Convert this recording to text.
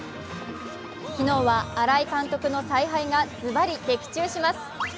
昨日は新井監督の采配がズバリ的中します。